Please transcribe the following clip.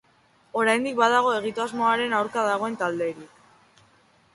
Oraindik badago egitasmoaren aurka dagoen talderik.